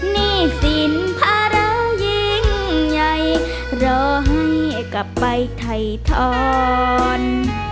นี่สินพระยิ่งใหญ่เดาให้กลับไปไทยถอน